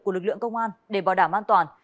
của lực lượng công an để bảo đảm an toàn